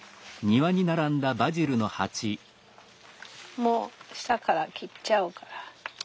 もう下から切っちゃうから。